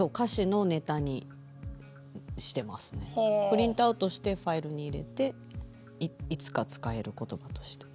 プリントアウトしてファイルに入れていつか使える言葉として。